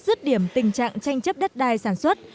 rứt điểm tình trạng tranh chấp đất đai sản xuất